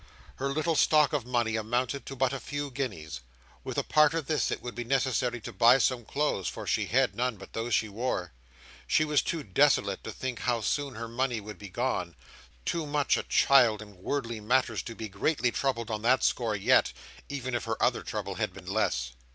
Her little stock of money amounted to but a few guineas. With a part of this, it would be necessary to buy some clothes, for she had none but those she wore. She was too desolate to think how soon her money would be gone—too much a child in worldly matters to be greatly troubled on that score yet, even if her other trouble had been less.